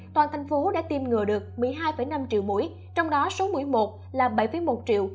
toàn thành phố đã tiêm ngừa được một mươi hai năm triệu mũi trong đó số mũi một là bảy một triệu mũi hai là năm bốn triệu